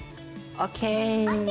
ＯＫ！